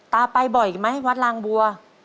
ตาไปบ่อยไหมวัดรางบัว